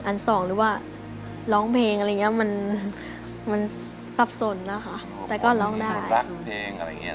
อันสองหรือว่าร้องเพลงอะไรอย่างเงี้ย